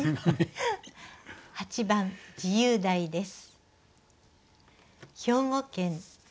８番自由題です。